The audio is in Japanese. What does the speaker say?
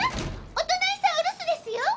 お隣さんお留守ですよ。